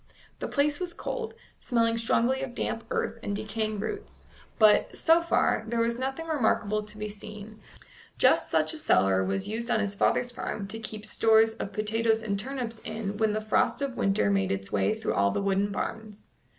The place was cold, smelling strongly of damp earth and decaying roots; but, so far, there was nothing remarkable to be seen; just such a cellar was used on his father's farm to keep stores of potatoes and turnips in when the frost of winter made its way through all the wooden barns.